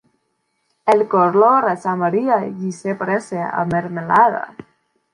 El color es amarillo y se parece a mermelada.